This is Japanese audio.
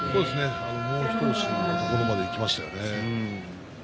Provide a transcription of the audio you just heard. もう一押しのところまでいきましたよね。